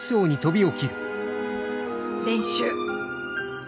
練習！